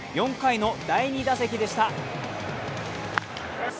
４回の第２打席でした。